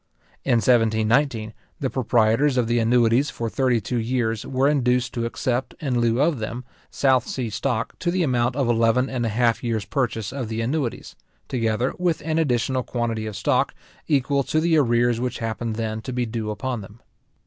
In 1719, the proprietors of the annuities for thirty two years were induced to accept, in lieu of them, South sea stock to the amount of eleven and a half years purchase of the annuities, together with an additional quantity of stock, equal to the arrears which happened then to be due upon them.